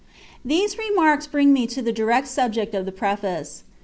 These remarks bring me to the direct subject of the preface.